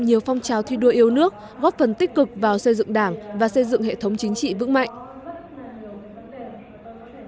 nhiều phong trào thi đua yêu nước góp phần tích cực vào xây dựng đảng và xây dựng hệ thống chính trị vững mạnh